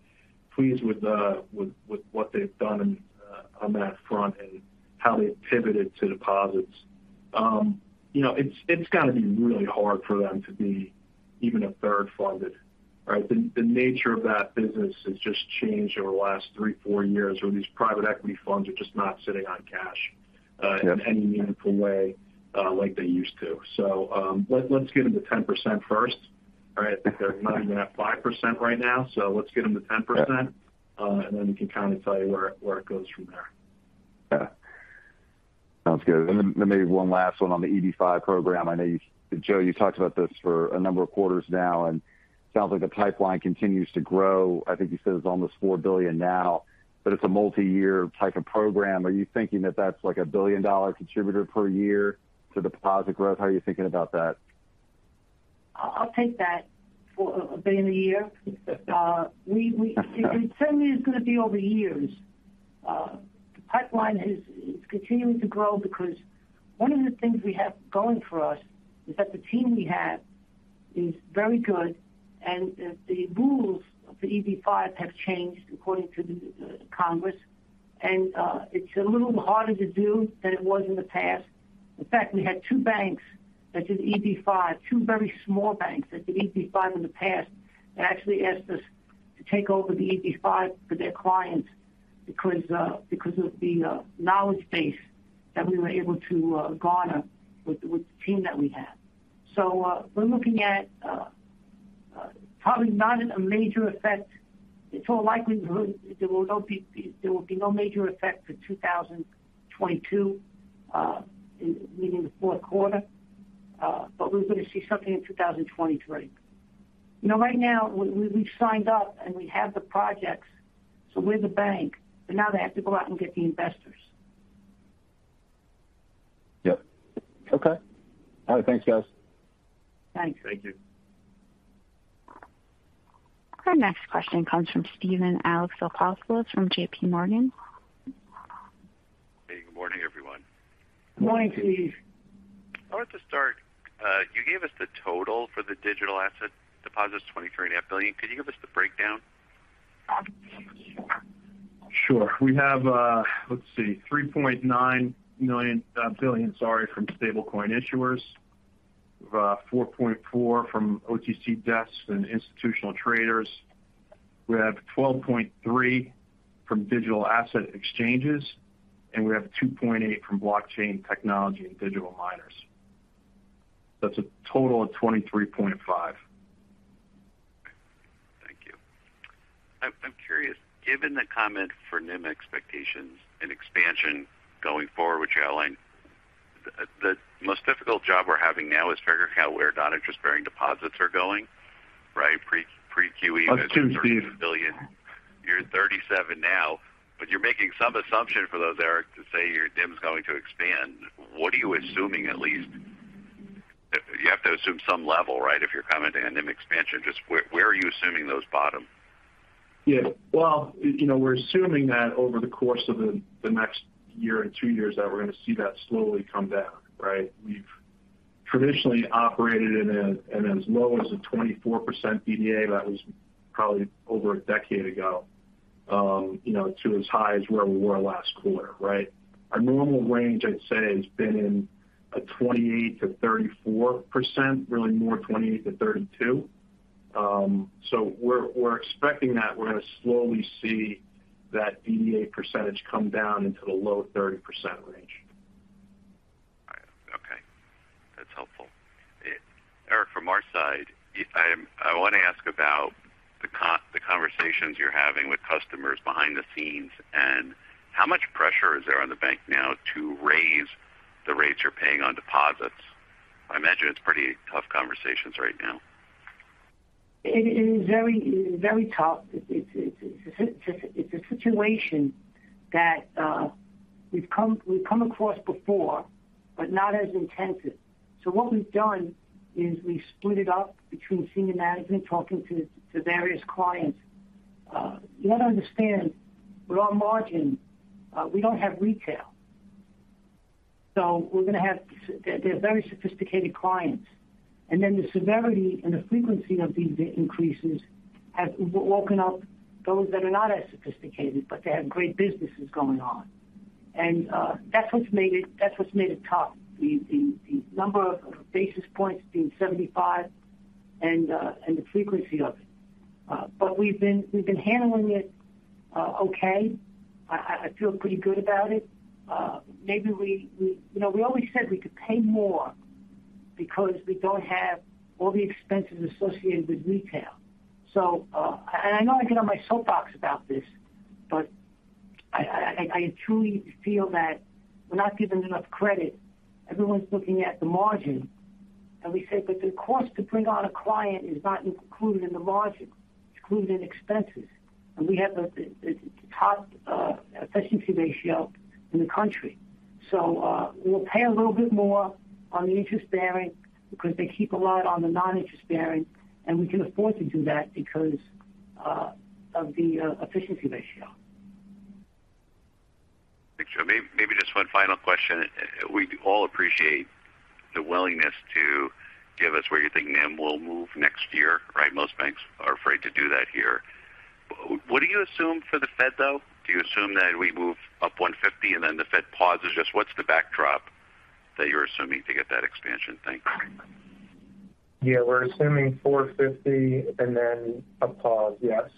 pleased with what they've done on that front and how they pivoted to deposits. You know, it's got to be really hard for them to be even a third funded, right? The nature of that business has just changed over the last three, four years, where these private equity funds are just not sitting on cash. Yeah. in any meaningful way, like they used to. Let's get them to 10% first. All right. I think they're not even at 5% right now, so let's get them to 10%. Yeah. We can kind of tell you where it goes from there. Yeah. Sounds good. Maybe one last one on the EB-5 program. I know you, Joe, you talked about this for a number of quarters now, and it sounds like the pipeline continues to grow. I think you said it's almost $4 billion now, but it's a multi-year type of program. Are you thinking that that's like a billion-dollar contributor per year to deposit growth? How are you thinking about that? I'll take that for $1 billion a year. It certainly is going to be over years. The pipeline is continuing to grow because one of the things we have going for us is that the team we have is very good. The rules of the EB-5 have changed according to the Congress. It's a little harder to do than it was in the past. In fact, we had two banks that did EB-5, two very small banks that did EB-5 in the past. They actually asked us to take over the EB-5 for their clients because of the knowledge base that we were able to garner with the team that we have. We're looking at probably not a major effect. In all likelihood there will be no major effect for 2022, meaning the fourth quarter. We're going to see something in 2023. You know, right now we've signed up, and we have the projects, so we're the bank. Now they have to go out and get the investors. Yeah. Okay. All right. Thanks, guys. Thanks. Thank you. Our next question comes from Steven Alexopoulos from JPMorgan. Hey, good morning, everyone. Good morning, Steve. I want to start. You gave us the total for the digital asset deposits, $23.5 billion. Could you give us the breakdown? Sure. We have $3.9 billion from stable coin issuers. We've $4.4 billion from OTC desks and institutional traders. We have $12.3 billion from digital asset exchanges, and we have $2.8 billion from blockchain technology and digital miners. That's a total of $23.5 billion. Thank you. I'm curious, given the comment for NIM expectations and expansion going forward, which you outlined, the most difficult job we're having now is figuring out where non-interest-bearing deposits are going, right? Pre-QE- Excuse me. $37 billion. You're at $37 billion now, but you're making some assumption for those, Eric, to say your NIM is going to expand. What are you assuming at least? You have to assume some level, right? If you're commenting on NIM expansion, just where are you assuming the bottom? Yeah. Well, you know, we're assuming that over the course of the next year and two years that we're going to see that slowly come down, right? We've traditionally operated in as low as a 24% DDA. That was probably over a decade ago, you know, to as high as where we were last quarter, right? Our normal range, I'd say, has been in a 28%-34%, really more 28%-32%. So we're expecting that we're going to slowly see that DDA percentage come down into the low 30% range. All right. Okay. That's helpful. Eric, from our side, I want to ask about the conversations you're having with customers behind the scenes, and how much pressure is there on the bank now to raise the rates you're paying on deposits? I imagine it's pretty tough conversations right now. It is very, very tough. It's a situation that we've come across before, but not as intensive. What we've done is we've split it up between senior management talking to various clients. You got to understand, we're on margin. We don't have retail, so we're going to have they're very sophisticated clients. Then the severity and the frequency of these increases have woken up those that are not as sophisticated, but they have great businesses going on. That's what's made it tough. The number of basis points being 75 and the frequency of it. We've been handling it okay. I feel pretty good about it. Maybe we you know always said we could pay more because we don't have all the expenses associated with retail. I know I get on my soapbox about this, but I truly feel that we're not given enough credit. Everyone's looking at the margin and we say, but the cost to bring on a client is not included in the margin. It's included in expenses. We have the top efficiency ratio in the country. We'll pay a little bit more on the interest bearing because they keep a lot on the non-interest bearing, and we can afford to do that because of the efficiency ratio. Thanks, Joe. Maybe just one final question. We all appreciate the willingness to give us where you think NIM will move next year, right? Most banks are afraid to do that here. What do you assume for the Fed, though? Do you assume that we move up 150 and then the Fed pauses? Just what's the backdrop that you're assuming to get that expansion? Thanks. Yeah, we're assuming 450 and then a pause, yes.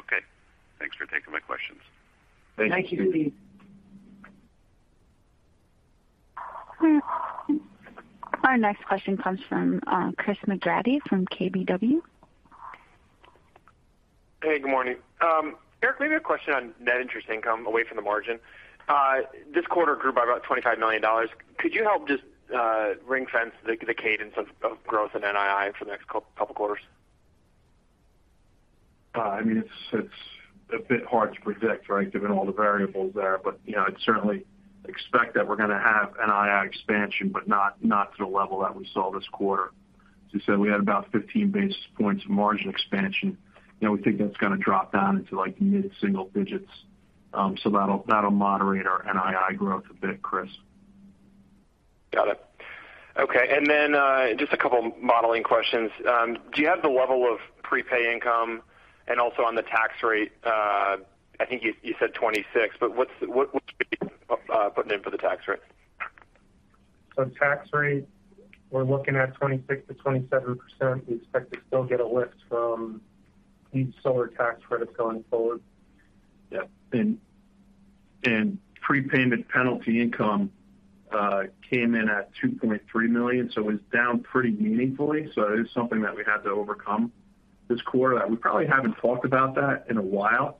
Okay. Thanks for taking my questions. Thank you. Thank you. Our next question comes from Chris McGratty from KBW. Hey, good morning. Eric, maybe a question on net interest income away from the margin. This quarter grew by about $25 million. Could you help just ring-fence the cadence of growth in NII for the next couple quarters? I mean, it's a bit hard to predict, right, given all the variables there. You know, I'd certainly expect that we're going to have NII expansion, but not to the level that we saw this quarter. As you said, we had about 15 basis points of margin expansion. You know, we think that's going to drop down into, like, mid-single digits. That'll moderate our NII growth a bit, Chris. Got it. Okay. Just a couple modeling questions. Do you have the level of prepay income? On the tax rate, I think you said 26%, but what are you putting in for the tax rate? Tax rate, we're looking at 26%-27%. We expect to still get a lift from these solar tax credits going forward. Yeah. Prepayment penalty income came in at $2.3 million, so it was down pretty meaningfully. It is something that we had to overcome this quarter that we probably haven't talked about that in a while,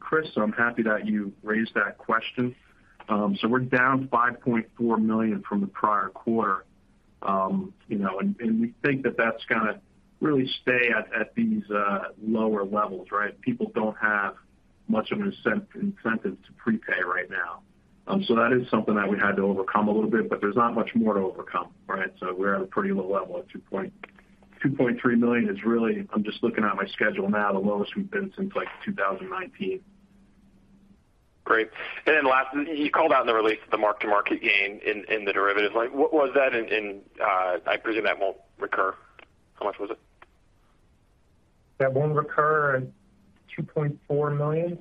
Chris, so I'm happy that you raised that question. We're down $5.4 million from the prior quarter. You know, we think that that's gonna really stay at these lower levels, right? People don't have much of an incentive to prepay right now. That is something that we had to overcome a little bit, but there's not much more to overcome, right? We're at a pretty low level at $2.3 million is really, I'm just looking at my schedule now, the lowest we've been since, like, 2019. Great. Last, you called out in the release the mark-to-market gain in the derivatives. Like, what was that? I presume that won't recur. How much was it? That won't recur, $2.4 million.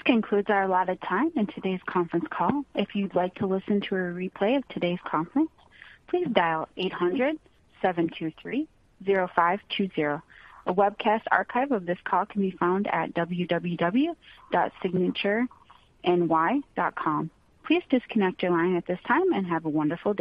Okay. Thanks. This concludes our allotted time in today's conference call. If you'd like to listen to a replay of today's conference, please dial 800-723-0520. A webcast archive of this call can be found at www.signatureny.com. Please disconnect your line at this time and have a wonderful day.